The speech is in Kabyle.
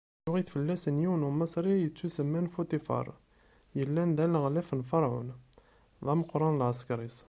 Yuɣ-it fell-asen yiwen n Umaṣri yettusemman Futifaṛ, yellan d aneɣlaf n Ferɛun, d ameqran n lɛeskeṛ-is.